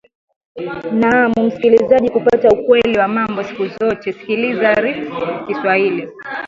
naam msikilizaji kupata ukweli wa mambo siku zote sikiliza rfi kiswahili